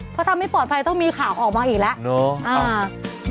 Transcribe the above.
เพราะทำให้ปลอดภัยต้องมีข่าวออกมาอีกแล้ว